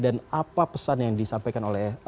dan apa pesan yang disampaikan oleh